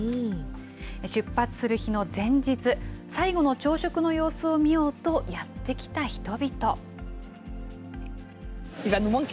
出発する日の前日、最後の朝食の様子を見ようとやって来た人々。